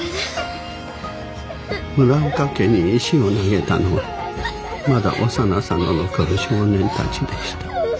村岡家に石を投げたのはまだ幼さの残る少年たちでした。